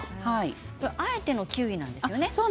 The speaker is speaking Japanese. あえてのキウイですよね。